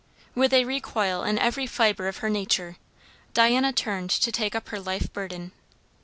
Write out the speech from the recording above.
With a recoil in every fibre of her nature, Diana turned to take up her life burden.